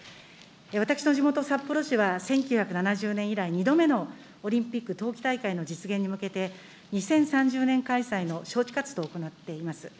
私の地元、札幌市では１９７２年以来、２度目のオリンピック冬季大会の実現に向けて、２０３０年開催の招致活動を行っています。